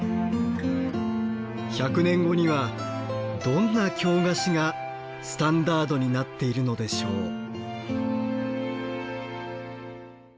１００年後にはどんな京菓子がスタンダードになっているのでしょう。